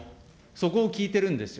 そこを聞いてるんです。